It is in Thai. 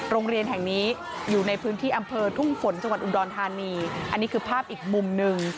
โรงเรียนแห่งนี้อยู่ในพื้นที่อำเภอทุ่งฝนจังหวัดอุดรธานีอันนี้คือภาพอีกมุมหนึ่ง